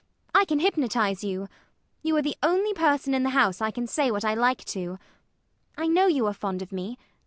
I can hypnotize you. You are the only person in the house I can say what I like to. I know you are fond of me.